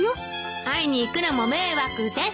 会いに行くのも迷惑です。